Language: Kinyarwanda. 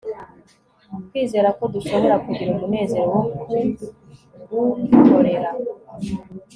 Kwizera ko dushobora kugira umunezero wo kugukorera